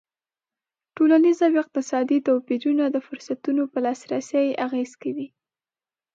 ټولنیز او اقتصادي توپیرونه د فرصتونو پر لاسرسی اغېز کوي.